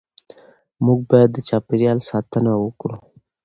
موږ باید د چاپېریال ساتنه وکړو